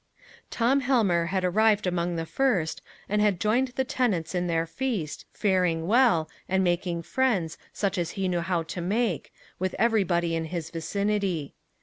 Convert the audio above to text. Tom Helmer had arrived among the first, and had joined the tenants in their feast, faring well, and making friends, such as he knew how to make, with everybody in his vicinity.